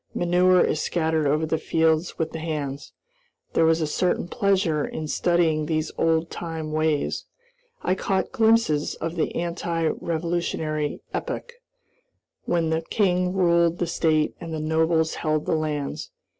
Manure is scattered over the fields with the hands. There was a certain pleasure in studying these old time ways. I caught glimpses of the anti revolutionary epoch, when the king ruled the state and the nobles held the lands.